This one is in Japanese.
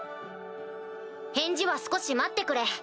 返事は少し待ってくれ。